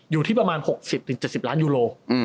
อยู่ที่ประมาณ๖๐๗๐ล้านยูโร